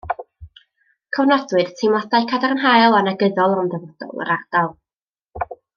Cofnodwyd teimladau cadarnhaol a negyddol am ddyfodol yr ardal